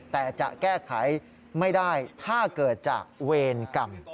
แต่จะแก้ไขไม่ได้ถ้าเกิดจากเวรกรรม